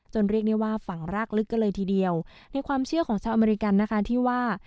เรียกได้ว่าฝั่งรากลึกกันเลยทีเดียวในความเชื่อของชาวอเมริกันนะคะที่ว่า